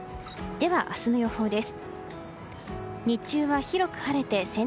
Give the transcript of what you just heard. では、明日の予報です。